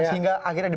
sehingga akhirnya di